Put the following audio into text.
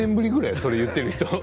そう言っている人。